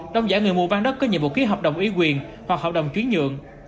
đóng giả người mua bán đất có nhiệm vụ ký hợp đồng ý quyền hoặc hợp đồng chuyến nhượng